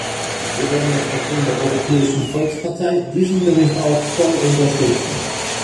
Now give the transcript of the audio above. Wir werden als Fraktion der Europäischen Volkspartei diesen Bericht auch voll unterstützen.